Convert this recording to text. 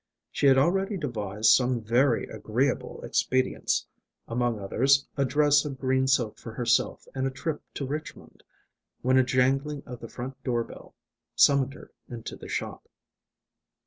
She had already devised some very agreeable expedients, among others a dress of green silk for herself and a trip to Richmond, when a jangling of the front door bell summoned her into the shop.